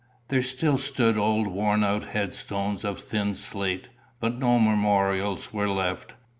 There still stood old worn out headstones of thin slate, but no memorials were left.